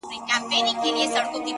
• وږمه ځي تر ارغوانه پښه نيولې,